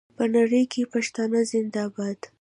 په نړۍ کې پښتانه زنده باد.